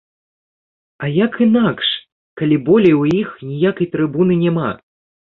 А як інакш, калі болей у іх ніякай трыбуны няма?